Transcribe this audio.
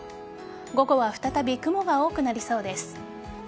午後は再び雲が多くなりそうです。